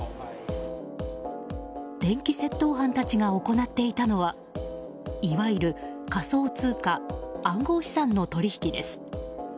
電気窃盗犯たちが行っていたのはいわゆる仮想通貨暗号資産の取引です。